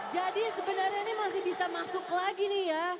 jadi sebenarnya ini masih bisa masuk lagi nih ya